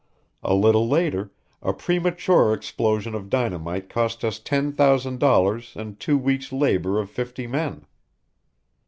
A little later a 'premature' explosion of dynamite cost us ten thousand dollars and two weeks' labor of fifty men.